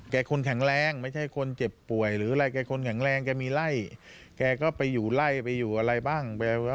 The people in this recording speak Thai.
คนแข็งแรงไม่ใช่คนเจ็บป่วยหรืออะไรแกคนแข็งแรงแกมีไล่แกก็ไปอยู่ไล่ไปอยู่อะไรบ้าง